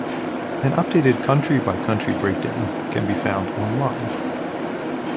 An updated country by country breakdown can be found online.